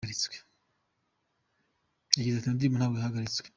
Yagize ati “Iyo ndirimbo ntabwo yahagaritswe.